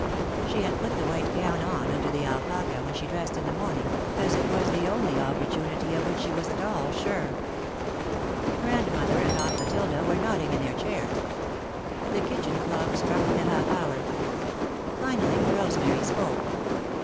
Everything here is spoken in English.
She had put the white gown on under the alpaca when she dressed in the morning, as it was the only opportunity of which she was at all sure. [Sidenote: Hung in the Balance] Grandmother and Aunt Matilda were nodding in their chairs. The kitchen clock struck the half hour. Finally, Rosemary spoke.